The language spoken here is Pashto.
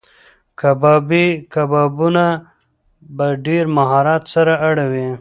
کبابي کبابونه په ډېر مهارت سره اړوي.